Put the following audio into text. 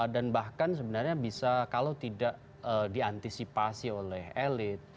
dan bahkan sebenarnya bisa kalau tidak diantisipasi oleh elit